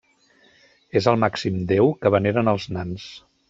És el màxim déu que veneren els nans.